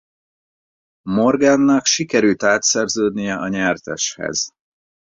Morgand-nak sikerül átszerződnie a nyerteshez.